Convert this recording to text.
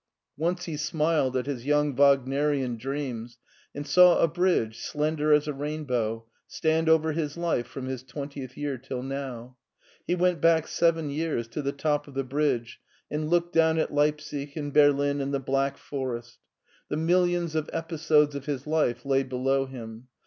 Once he smiled at his young Wagnerian dreams and saw a bridge, slender as a rainbow, stand over his life from his twentieth year till now. He went back seven years to the top of the bridge and looked down at Leipsic and Berlin and the Black Forest. The millions of episodes of his life lay below him.